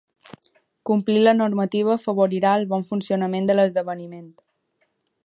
Complir la normativa afavorirà el bon funcionament de l'esdeveniment.